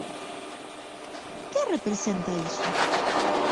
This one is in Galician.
Que representa iso?